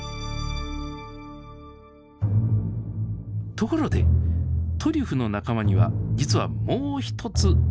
ところでトリュフの仲間には実はもう一つ大きな特徴があります。